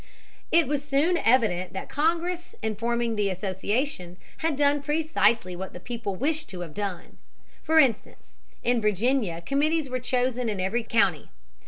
It was soon evident that Congress in forming the Association had done precisely what the people wished to have done. For instance, in Virginia committees were chosen in every county.